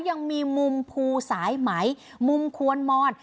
ยังมีมุมภูสายไหมมุมควรมอน